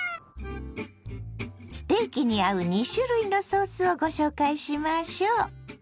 ステーキに合う２種類のソースをご紹介しましょう。